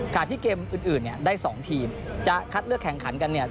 ที่เกมอื่นเนี่ยได้๒ทีมจะคัดเลือกแข่งขันกันเนี่ย